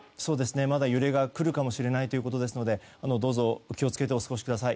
まだ揺れが来るかもしれないということですのでどうぞお気を付けてお過ごしください。